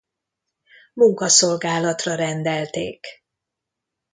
Munkaszolgálatra rendelték.